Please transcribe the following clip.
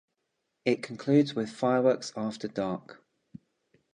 It concludes with fireworks after dark.